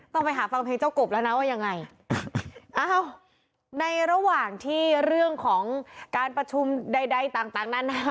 ต้องไปหาฟังเพลงเจ้ากบแล้วนะว่ายังไงอ้าวในระหว่างที่เรื่องของการประชุมใดใดต่างต่างนานา